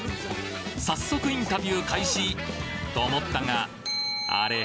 早速インタビュー開始！と思ったがあれ？